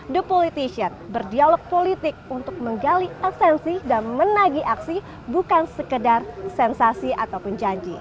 the politician berdialog politik untuk menggali esensi dan menagi aksi bukan sekedar sensasi ataupun janji